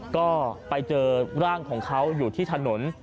ก็ไปเจอร่างของเขาอยู่ที่ถนน